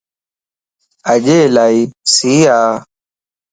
اڄ الائي سي ا